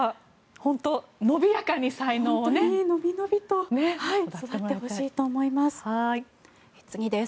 本当に伸びやかに、才能を育ってほしいと思います。